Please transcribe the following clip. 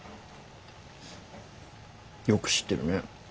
よく知ってるね。